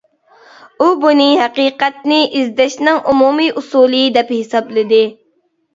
ئۇ بۇنى ھەقىقەتنى ئىزدەشنىڭ ئومۇمىي ئۇسۇلى دەپ ھېسابلىدى.